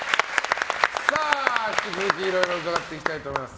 引き続き、いろいろ伺っていきたいと思います。